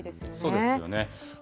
そうですよね。